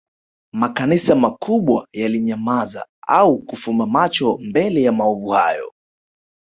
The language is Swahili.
Makanisa makubwa yalinyamaza au kufumba macho mbele ya maovu hayo